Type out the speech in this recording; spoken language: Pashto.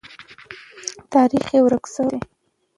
تاریخ یې ورک سوی دی.